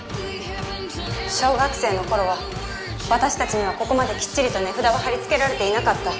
小学生の頃は私たちにはここまできっちりと値札は貼り付けられていなかった。